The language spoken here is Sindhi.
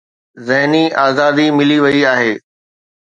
ذهني آزادي ملي وئي آهي.